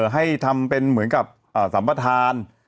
ให้ทำเป็นเหมือนกับสัมปทาน